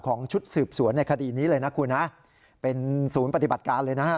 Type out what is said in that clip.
ของชุดสืบสวนในคดีนี้เลยนะครับคุณเป็นศูนย์ปฏิบัติการเลยนะครับ